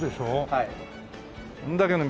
はい。